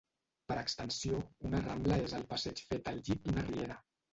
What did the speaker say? Per extensió, una rambla és el passeig fet al llit d'una riera.